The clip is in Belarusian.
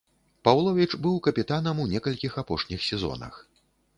Паўловіч быў капітанам у некалькіх апошніх сезонах.